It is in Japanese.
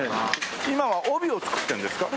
今は帯を作ってるんですか？